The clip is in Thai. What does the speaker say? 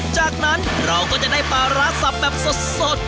จากนั้นเราก็จะได้ปลาร้าสับแบบสด